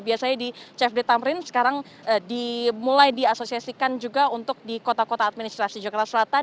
biasanya di cfd tamrin sekarang dimulai diasosiasikan juga untuk di kota kota administrasi jakarta selatan